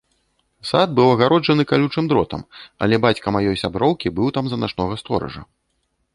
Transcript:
Сад быў агароджаны калючым дротам, але бацька маёй сяброўкі быў там за начнога стоража.